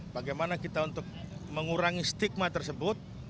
bagaimana kita untuk mengurangi stigma tersebut